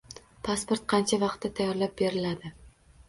Pasport qancha vaqtda tayyorlab beriladi?